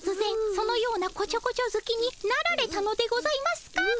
そのようなこちょこちょずきになられたのでございますか？